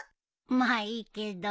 まあいいけど。